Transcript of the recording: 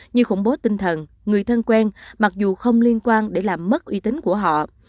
như khủng bố tinh thần người thân quen mặc dù không liên quan để làm mất uy tín của họ